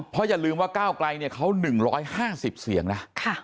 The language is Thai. เพราะอย่าลืมว่าก้าวไกลเนี่ยเขา๑๕๐เสียงนะ